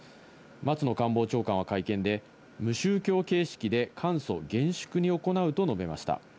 松野官房長官は会見で無宗教形式で簡素、厳粛に行うと述べました。